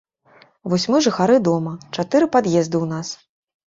Вось мы жыхары дома, чатыры пад'езды ў нас.